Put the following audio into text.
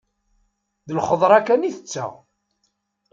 D lxeḍra kan i tetteɣ.